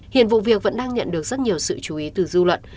hiện vụ việc vẫn đang nhận được rất nhiều sự chú ý từ dư luận